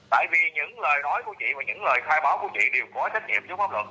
tại vì những lời nói của chị và những lời khai báo của chị đều có trách nhiệm trước pháp luật